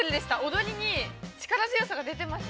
踊りに力強さが出てました。